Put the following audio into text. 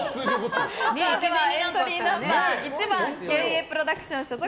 エントリーナンバー１番芸映プロダクション所属